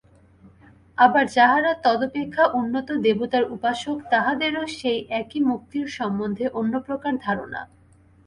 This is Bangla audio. আবার যাহারা তদপেক্ষা উন্নত দেবতার উপাসক, তাহাদেরও সেই একই মুক্তির সম্বন্ধে অন্যপ্রকার ধারণা।